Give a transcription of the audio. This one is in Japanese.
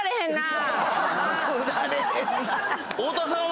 太田さんは。